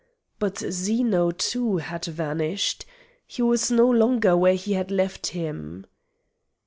But Zeno too had vanished. He was no longer where he had left him.